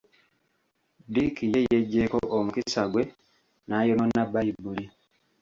Dick ye yeggyeeko omukisa gwe n'ayonoona Baibuli.